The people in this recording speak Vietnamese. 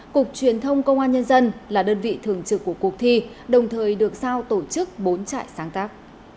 cục truyền thông công an nhân dân là đơn vị thường trực của cuộc thi đồng thời được sao tổ chức bốn trại sáng tác